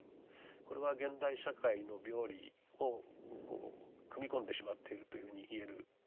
これは現代社会の病理をこう組み込んでしまっているというふうに言えるかもしれません。